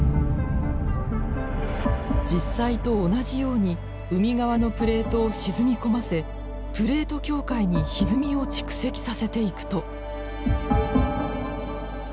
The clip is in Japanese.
実際と同じように海側のプレートを沈み込ませプレート境界にひずみを蓄積させていくと。